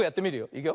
いくよ。